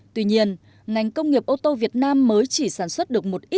tuy nhiên ngành công nghiệp ô tô việt nam mới chỉ sản xuất được một ít